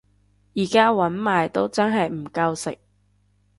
而家搵埋都真係唔夠食